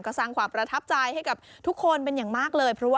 ก็สร้างความประทับใจให้กับทุกคนเป็นอย่างมากเลย